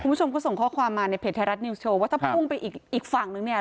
คุณผู้ชมก็ส่งข้อความมาในเพจไทยรัฐนิวสโชว์ว่าถ้าพุ่งไปอีกฝั่งนึงเนี่ย